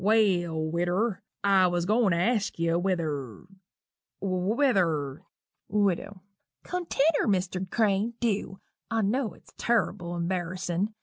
"Well, widder, I was a going to ask you whether whether " WIDOW. "Continner, Mr. Crane dew I knew it's turrible embarrissin'.